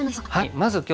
はい。